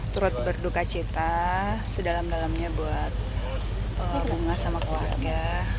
turut berduka cita sedalam dalamnya buat bunga sama keluarga